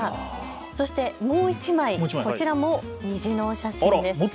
そしてもう１枚こちらも虹の写真です。